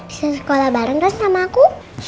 bisa sekolah bareng kan sama aku